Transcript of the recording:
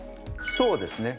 そうですね。